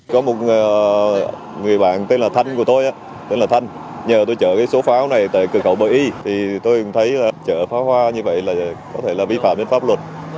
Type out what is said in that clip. có một người bạn tên là thanh của tôi nhờ tôi chở số pháo này tại cửa khẩu bờ y thì tôi cũng thấy chở pháo hoa như vậy có thể là vi phạm đến pháp luật